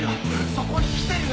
そこに来てるよ！